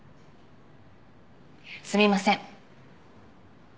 すみません。